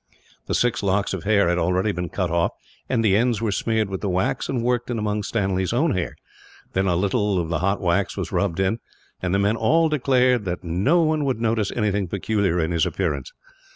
The six locks of hair had already been cut off, and the ends were smeared with the wax, and worked in among Stanley's own hair; then a little of the hot wax was rubbed in, and the men all declared that no one would notice anything peculiar in his appearance.